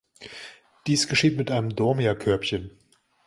Dies geschieht mit einem Dormia-Körbchen.